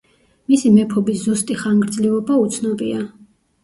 მისი მეფობის ზუსტი ხანგრძლივობა უცნობია.